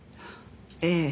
ええ。